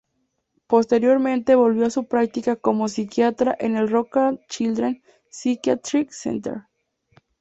Posteriormente volvió a su práctica como psiquiatra en el Rockland Children’s Psychiatric Center.